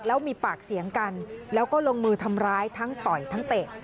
แล้วมีปากเสียงกันแล้วก็ลงมือทำร้ายทั้งต่อยทั้งเตะ